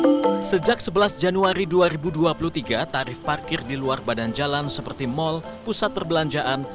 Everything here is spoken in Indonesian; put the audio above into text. hai sejak sebelas januari dua ribu dua puluh tiga tarif parkir di luar badan jalan seperti mall pusat perbelanjaan